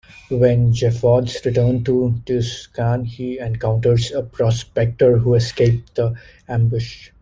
When Jeffords returns to Tucson, he encounters a prospector who escaped the ambush.